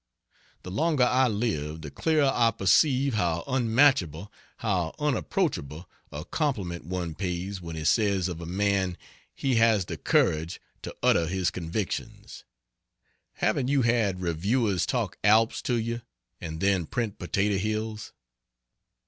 The longer I live the clearer I perceive how unmatchable, how unapproachable, a compliment one pays when he says of a man "he has the courage (to utter) his convictions." Haven't you had reviewers talk Alps to you, and then print potato hills?